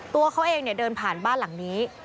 ตัวเขาเองเดินผ่านบ้านหลังนี้